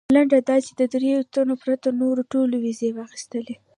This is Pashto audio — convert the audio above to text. لنډه دا چې د درېیو تنو پرته نورو ټولو ویزې واخیستلې.